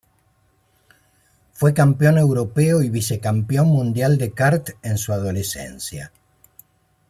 Fue campeón europeo y vicecampeón mundial de kart en su adolescencia.